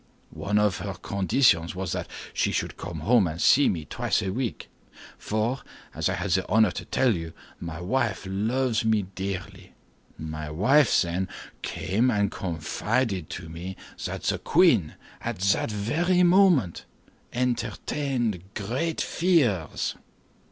One of her conditions was that she should come and see me twice a week; for, as I had the honor to tell you, my wife loves me dearly—my wife, then, came and confided to me that the queen at that very moment entertained great fears."